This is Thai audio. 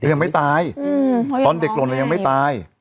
ยังไม่ตายตอนเด็กหล่นยังไม่ตาย